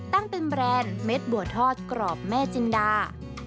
ตั้งเป็นแบรนด์เม็ดบัวทอดกรอบแม่จินดา